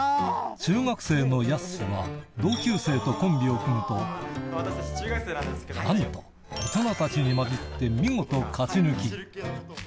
中学生のやすしは、同級生とコンビを組むと、なんと大人たちに交じって見事、勝ち抜き。